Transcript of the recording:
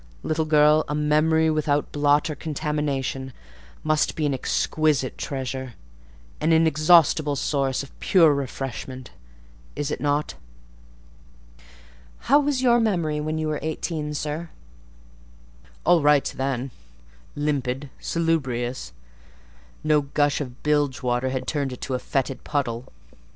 Little girl, a memory without blot or contamination must be an exquisite treasure—an inexhaustible source of pure refreshment: is it not?" "How was your memory when you were eighteen, sir?" "All right then; limpid, salubrious: no gush of bilge water had turned it to fetid puddle.